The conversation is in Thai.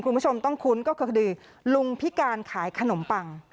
คุณผู้ชมต้องคุ้นก็คือคดีลุงพิการขายขนมปัง